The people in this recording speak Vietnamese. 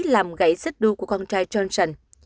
làm gãy xích đu của con trai johnson